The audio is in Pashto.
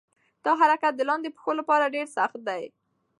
دا حرکت د لاندې پښو لپاره ډېر سخت دی.